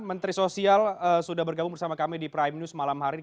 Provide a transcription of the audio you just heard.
menteri sosial sudah bergabung bersama kami di prime news malam hari ini